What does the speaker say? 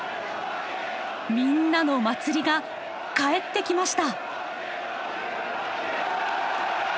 みんなの祭りが帰ってきました！